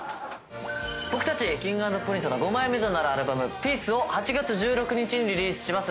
僕たちＫｉｎｇ＆Ｐｒｉｎｃｅの５枚目となるアルバム『ピース』を８月１６日にリリースします。